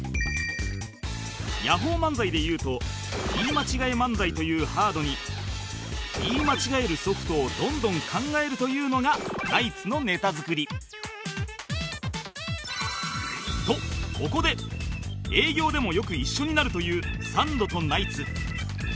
ヤホー漫才でいうと言い間違え漫才というハードに言い間違えるソフトをどんどん考えるというのがナイツのネタ作りとここで営業でもよく一緒になるというサンドとナイツ